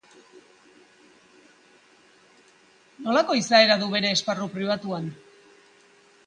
Nolako izaera du bere esparru pribatuan?